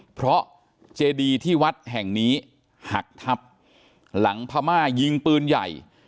เพราะเจดีที่วัดแห่งนี้หักทับหลังพม่ายิงปืนใหญ่